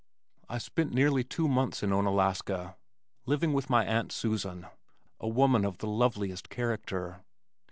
I spent nearly two months in Onalaska, living with my Aunt Susan, a woman of the loveliest character.